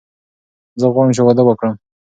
زه غواړم چې واده وکړم.